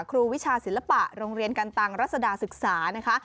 ครูวิชาศิลปะโรงเรียนกันตังรัศดาศึกษานะคะ